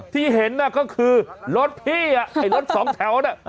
ที่เห็นน่ะก็คือรถพี่ไอ้รถสองแถวน่ะ